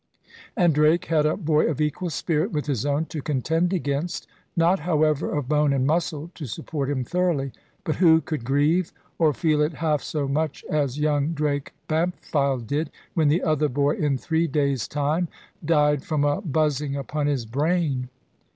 And Drake had a boy of equal spirit with his own to contend against, not however of bone and muscle to support him thoroughly. But who could grieve, or feel it half so much as young Drake Bampfylde did, when the other boy, in three days' time, died from a buzzing upon his brain?